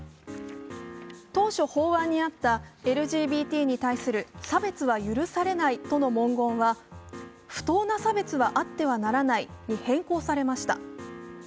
当初、法案にあったＬＧＢＴに対する「差別は許されない」という文言は「不当な差別はあってはならない」に変更されました。